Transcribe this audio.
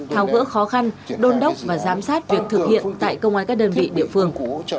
tháo gỡ khó khăn đôn đốc và giám sát việc thực hiện tại công an các đơn vị địa phương